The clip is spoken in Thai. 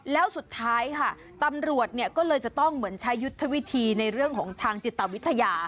แล้วสุดท้ายค่ะตำรวจเนี่ยก็เลยจะต้องเหมือนใช้ยุทธวิธีในเรื่องของทางจิตวิทยา